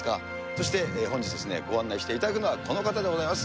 そして本日、ご案内していただくのは、この方でございます。